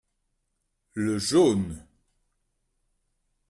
Le jaune.